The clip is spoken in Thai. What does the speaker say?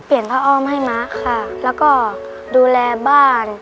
เปลี่ยนพระออมให้มะค่ะแล้วก็ดูแลบ้าน